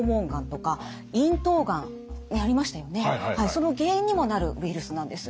その原因にもなるウイルスなんです。